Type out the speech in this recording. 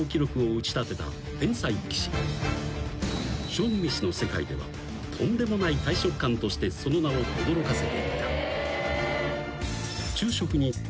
［将棋めしの世界ではとんでもない大食漢としてその名をとどろかせていた］